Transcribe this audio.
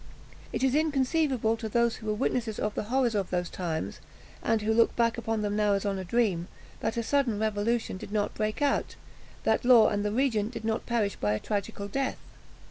It is inconceivable to those who were witnesses of the horrors of those times, and who look back upon them now as on a dream, that a sudden revolution did not break out that Law and the regent did not perish by a tragical death.